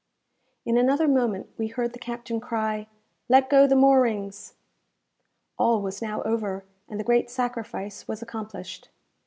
In another moment we heard the captain cry, "Let go the moorings!" All was now over and the great sacrifice was accomplished.